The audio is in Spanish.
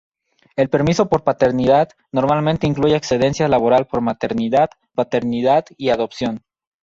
El "permiso por paternidad" normalmente incluye Excedencia laboral por maternidad, paternidad y adopción.